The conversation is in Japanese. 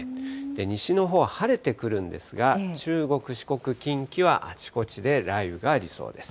西のほうは晴れてくるんですが、中国、四国、近畿はあちこちで雷雨がありそうです。